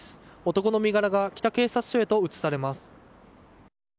男の身柄が北警察署へと移されます。